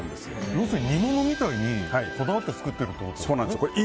要するに煮物みたいにこだわって作ってるってことですね。